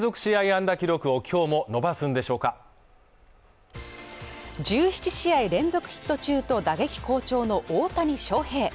安打記録を今日も伸ばすんでしょうか１７試合連続ヒット中と打撃好調の大谷翔平